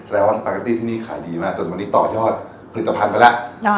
แปลว่าสปาเกตตี้ที่นี่ขายดีมากจนวันนี้ต่อยอดผลิตภัณฑ์ไปแล้ว